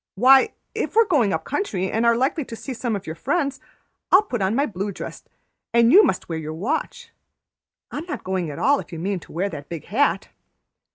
"Why, if we're going up country and are likely to see some of your friends, I'll put on my blue dress, and you must wear your watch; I am not going at all if you mean to wear the big hat."